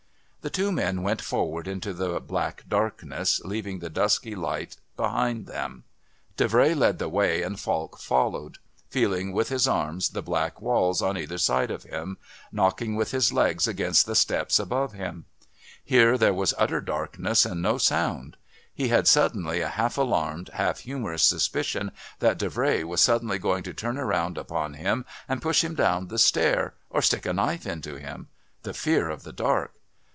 The two men went forward into the black darkness, leaving the dusky light behind them. Davray led the way and Falk followed, feeling with his arms the black walls on either side of him, knocking with his legs against the steps above him. Here there was utter darkness and no sound. He had suddenly a half alarmed, half humorous suspicion that Davray was suddenly going to turn round upon him and push him down the stair or stick a knife into him the fear of the dark.